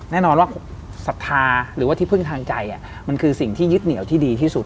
แน่นอนว่าศรัทธาหรือว่าที่พึ่งทางใจมันคือสิ่งที่ยึดเหนียวที่ดีที่สุด